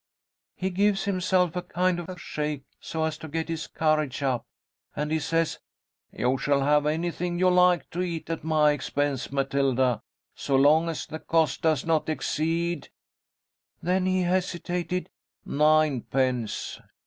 He gives himself a kind of a shake, so as to get his courage up, and he says, 'You shall have anything you like to eat, at my expense, Matilda, so long as the cost does not exceed' then he hesitated 'ninepence.'